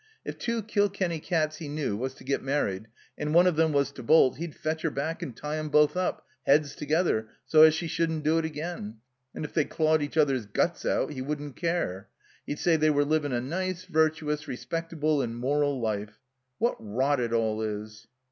If two Kilkenny cats he knew was to get married and one of them was to bolt he'd fetch her back and tie 'em both up, heads together, so as she shouldn't do it again. And if they clawed each other's guts out he wouldn't care. He'd say they were livin' a nice, virtuous, respect able and moral life. "What rot it all is!